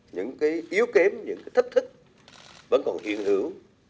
những yếu kém những thách thức vẫn còn hiện hưởng